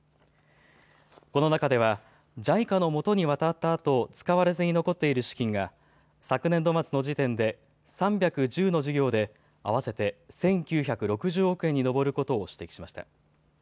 この中ではＪＩＣＡのもとに渡ったあと使われずに残っている資金が昨年度末の時点で３１０の事業で合わせて１９６０億円に上ることを指摘しました。